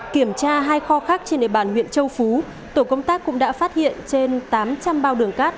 kiểm tra hai kho khác trên địa bàn huyện châu phú tổ công tác cũng đã phát hiện trên tám trăm linh bao đường cát